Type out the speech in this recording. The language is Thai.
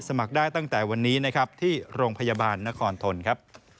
สมัครได้ตั้งแต่วันนี้ที่โรงพยาบาลนครธนตร์